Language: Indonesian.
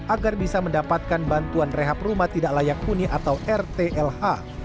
agar bisa mendapatkan bantuan rehab rumah tidak layak huni atau rtlh